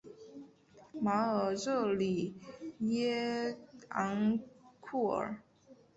马尔热里耶昂库尔。